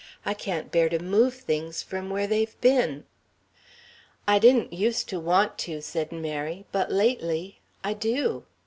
I can't bear to move things from where they've been." "I didn't use to want to," said Mary, "but lately I do.